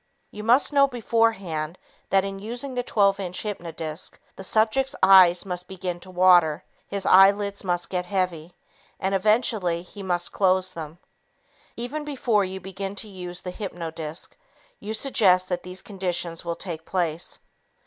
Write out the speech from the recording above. You know beforehand that in using the 12 inch hypnodisc, the subject's eyes must begin to water, his eyelids must get heavy, and eventually he must close them. Even before you begin to use the hypnodisc, you suggest that these conditions will take place.